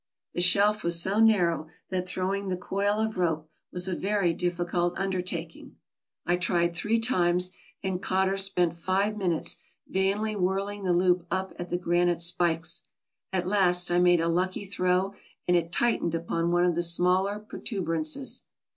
The shelf was so narrow that throwing the coil of rope was a very difficult undertaking. I tried three times, and Cotter spent five minutes vainly whirling the loop up at the granite spikes. At last I made a lucky throw, and it tightened upon one of the smaller protuberances.